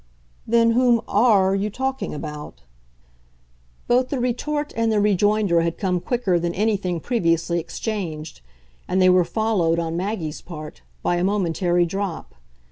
"Then whom, ARE you talking about?" Both the retort and the rejoinder had come quicker than anything previously exchanged, and they were followed, on Maggie's part, by a momentary drop.